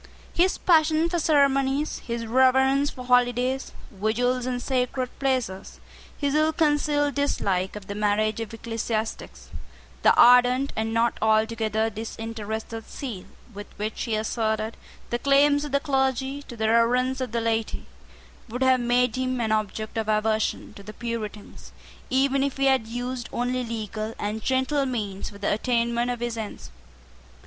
His passion for ceremonies, his reverence for holidays, vigils, and sacred places, his ill concealed dislike of the marriage of ecclesiastics, the ardent and not altogether disinterested zeal with which he asserted the claims of the clergy to the reverence of the laity, would have made him an object of aversion to the Puritans, even if he had used only legal and gentle means for the attainment of his ends.